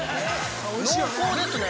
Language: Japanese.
◆濃厚ですね。